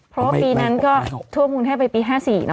เพราะปีนั้นก็ทั่วภูมิธรรมภูมิให้ไปปี๕๔เนอะ